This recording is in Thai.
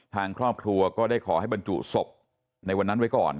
ทางครอบครัวก็ได้ขอให้บรรจุศพในวันนั้นไว้ก่อน